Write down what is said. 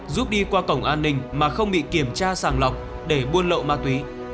giúp đi qua cổng an ninh mà không bị kiểm tra sàng lọc để buôn lậu ma túy